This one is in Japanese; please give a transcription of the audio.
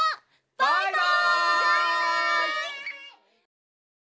バイバイ！